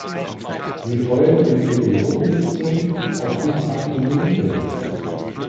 Sie folgen im Periodensystem auf die Actinoide.